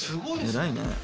偉いね。